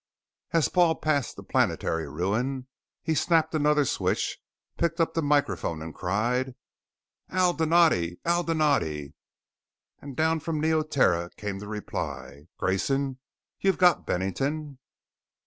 As Paul passed the planetary ruin, he snapped another switch, picked up the microphone and cried: "Al Donatti! Al Donatti!" And down from Neoterra came the reply. "Grayson? You've got Bennington?"